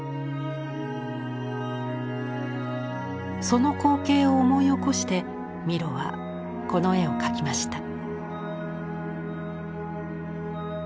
その光景を思い起こしてミロはこの絵を描きました。